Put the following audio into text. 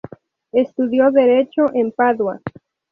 Estudió derecho en Padua.